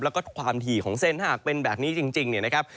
แล้วก็ความถี่ของเส้นถ้าหากเป็นแบบนี้จริงเนี่ยนะครับ